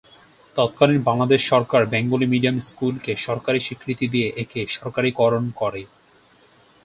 তৎকালীন বাংলাদেশ সরকার বেঙ্গলি মিডিয়াম স্কুলকে সরকারি স্বীকৃতি দিয়ে একে সরকারিকরণ করে।